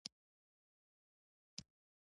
جګړه د ژوندانه پر مخ دغمونو څپې راولي